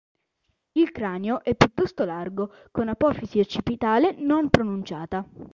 Il cranio è piuttosto largo, con apofisi occipitale non pronunciata.